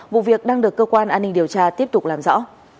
vụ việc đang được cơ quan an ninh điều tra tiếp tục làm rõ